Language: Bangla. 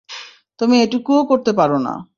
তুমি এটুকুও করতে পারো না।